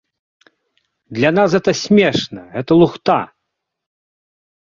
Для нас гэта смешна, гэта лухта!